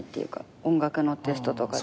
音楽のテストとかで。